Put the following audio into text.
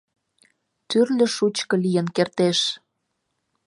Тӱрлӧ шучко лийын кертеш.